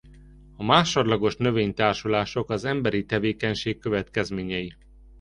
A másodlagos növénytársulások az emberi tevékenység következményei.